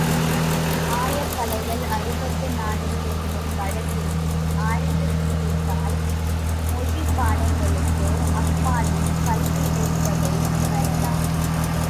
ஆயகலைகள் அறுபத்து நான்கு என்னும் வழக்கினை ஆழ்ந்து சிந்தித்தால், மொழிப் பாடங்களுக்கு அப்பாலும் கல்வி விரிவதை உணரலாம்.